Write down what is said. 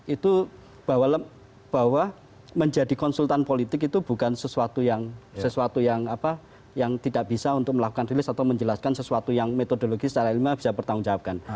itu bahwa menjadi konsultan politik itu bukan sesuatu yang tidak bisa untuk melakukan rilis atau menjelaskan sesuatu yang metodologi secara ilmiah bisa bertanggung jawabkan